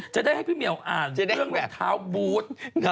จะได้ให้พี่เหี่ยวอ่านเรื่องเท้าบูธ